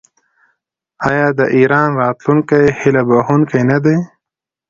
آیا د ایران راتلونکی هیله بښونکی نه دی؟